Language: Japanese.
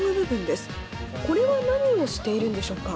これは何をしているんでしょうか？